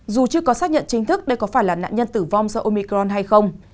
dù chưa có xác nhận chính thức đây có phải là nạn nhân tử vong do omicron hay không